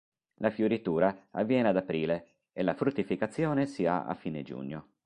La fioritura avviene ad aprile e la fruttificazione si ha a fine giugno.